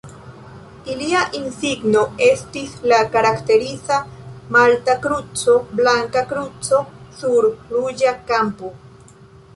Ilia insigno estis la karakteriza malta kruco, blanka kruco sur ruĝa kampo.